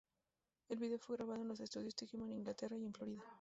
El vídeo fue grabado en los estudios Twickenham Inglaterra y en Florida.